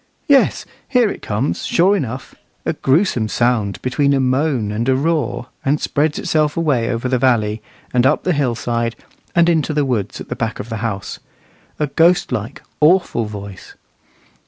Yes, here it comes, sure enough, a gruesome sound between a moan and a roar, and spreads itself away over the valley, and up the hillside, and into the woods at the back of the house, a ghost like, awful voice.